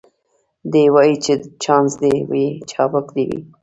دی وايي چي چانس دي وي چابک دي وي